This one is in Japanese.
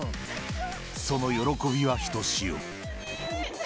その喜びはひとしお。